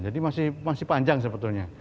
jadi masih panjang sebetulnya